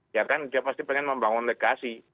dia pasti pengen membangun negasi